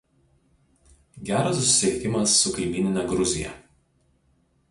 Geras susisiekimas su kaimynine Gruzija.